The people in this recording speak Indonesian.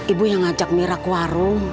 ibu yang ngajak mira ke warung